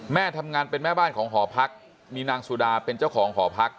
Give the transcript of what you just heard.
แม่ทำงานเป็นแม่บ้านของหอพักมีนางสุดาเป็นเจ้าของหอพัก